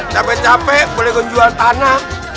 sampai capek boleh gua jual tanah